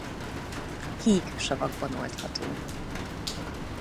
Híg savakban oldható.